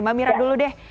mbak mira dulu deh